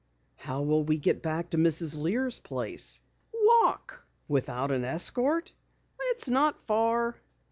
"How will we get back to Mrs. Lear's place?" "Walk." "Without an escort?" "It's not far."